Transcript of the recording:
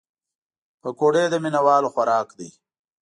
پکورې د مینهوالو خوراک دی